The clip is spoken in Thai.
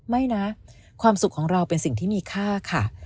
ไม่นะความสุขของเราเป็นสิ่งที่มีค่าค่ะ